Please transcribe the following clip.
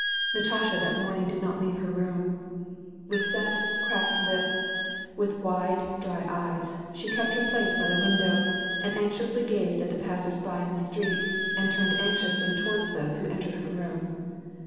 Natasha that morning did not leave her room. With set, 378 VITAn AND PEA OS. cracked lips, with wide, dry eyes, she kept her place bj the window, and anxiously gazed at the passers by in the street, and tutned anxiously towards those who entered her room.